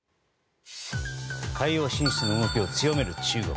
海洋進出の動きを強める中国。